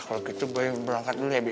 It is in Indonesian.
kalau gitu boy berangkat dulu ya bi ya